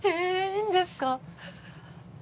いいんですか？